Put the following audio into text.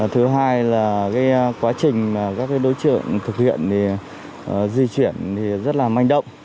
thứ hai là quá trình các đối trượng thực hiện di chuyển rất là manh động